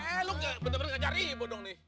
eh lo bener bener ngajar ibu dong nih